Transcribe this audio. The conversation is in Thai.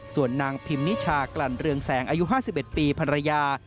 ส่วนนางพิมนิชากลั่นเรืองแสงอายุ๕๑ปีภรรยา